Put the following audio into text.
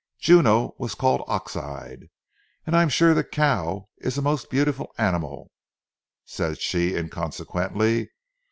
"Juno was called ox eyed, and I'm sure the cow is a most beautiful animal," said she inconsequently.